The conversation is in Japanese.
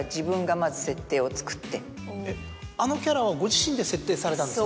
えっあのキャラはご自身で設定されたんですか？